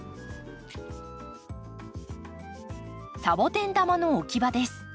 サボテン玉の置き場です。